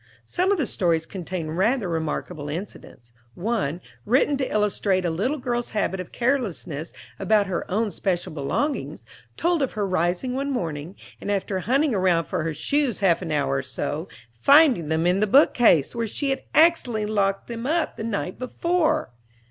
Some of the stories contained rather remarkable incidents. One, written to illustrate a little girl's habit of carelessness about her own special belongings, told of her rising one morning, and after hunting around for her shoes half an hour or so, finding them in the book case, where she had accidentally locked them up the night before!